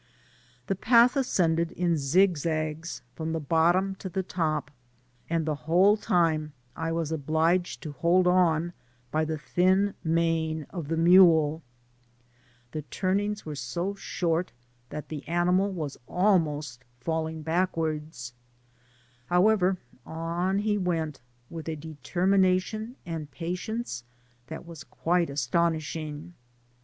The path asc^ded in zig zags from the bottom to the tqp, and the whole time I was oUiged to hold on by the thin mane of the mule. The tum ingd were so short, that the animal was almost Digitized byGoogk THB ORBAT CORDILLERA. 167 falling backwards ; however, on he went, with a determination and patience that was quite astonish* ing.